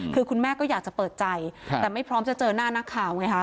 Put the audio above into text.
คือคุณแม่ก็อยากจะเปิดใจแต่ไม่พร้อมจะเจอหน้านักข่าวไงคะ